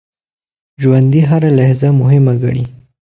ژوندي هره لحظه مهمه ګڼي